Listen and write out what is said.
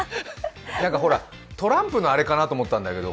何かほら、トランプのあれかなと思ったんだけど。